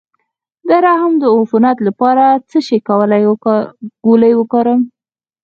د رحم د عفونت لپاره د څه شي ګولۍ وکاروم؟